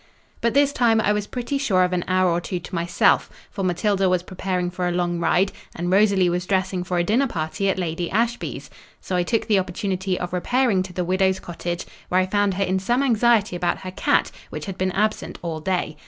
But this time I was pretty sure of an hour or two to myself; for Matilda was preparing for a long ride, and Rosalie was dressing for a dinner party at Lady Ashby's: so I took the opportunity of repairing to the widow's cottage, where I found her in some anxiety about her cat, which had been absent all day.